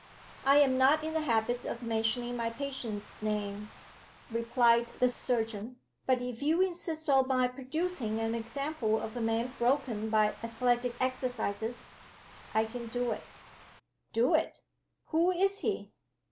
"I am not in the habit of mentioning my patients' names," replied the surgeon. "But if you insist on my producing an example of a man broken by athletic exercises, I can do it." "Do it! Who is he?"